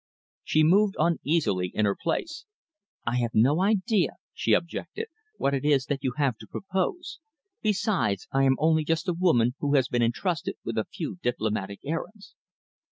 She moved uneasily in her place. "I have no idea," she objected, "what it is that you have to propose. Besides, I am only just a woman who has been entrusted with a few diplomatic errands."